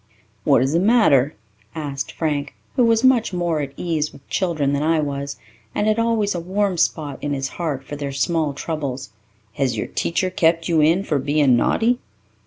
"What is the matter?" asked Frank, who was much more at ease with children than I was, and had always a warm spot in his heart for their small troubles. "Has your teacher kept you in for being naughty?"